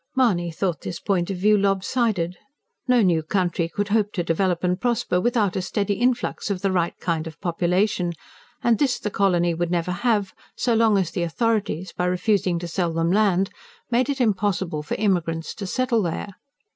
Mahony thought this point of view lopsided. No new country could hope to develop and prosper without a steady influx of the right kind of population and this the colony would never have, so long as the authorities, by refusing to sell them land, made it impossible for immigrants to settle there.